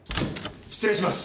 失礼します。